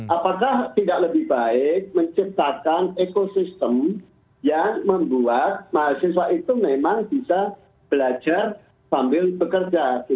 apakah tidak lebih baik menciptakan ekosistem yang membuat mahasiswa itu memang bisa belajar sambil bekerja